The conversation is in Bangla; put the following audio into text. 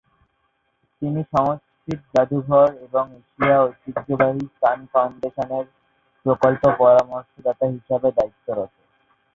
তিনি সংস্কৃত জাদুঘর এবং এশিয়া ঐতিহ্যবাহী স্থান ফাউন্ডেশনের প্রকল্প পরামর্শদাতা হিসেবে দায়িত্বরত।